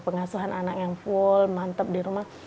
pengasuhan anak yang full mantap di rumah